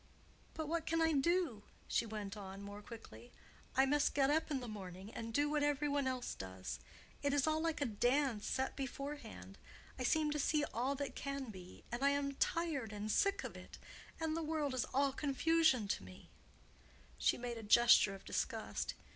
But what can I do?" she went on, more quickly. "I must get up in the morning and do what every one else does. It is all like a dance set beforehand. I seem to see all that can be—and I am tired and sick of it. And the world is all confusion to me"—she made a gesture of disgust.